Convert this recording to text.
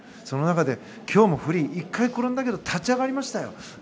その中で、今日もフリー１回転んだけど立ち上がりましたよ。